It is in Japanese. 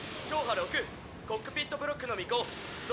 ６コックピットブロックのみ５。